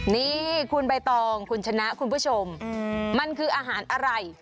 นี่คุณใบตองคุณชนะคุณผู้ชมมันคืออาหารอะไร